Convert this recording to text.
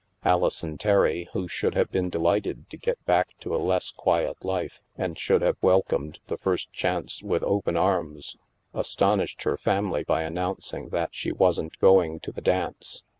Alison Terry, who should have been delighted to get back to a less quiet life and should have welcomed the first chance with open arms, astonished her family by announcing that she wasn't going to the dance.